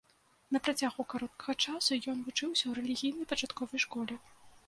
На працягу кароткага часу ён вучыўся ў рэлігійнай пачатковай школе.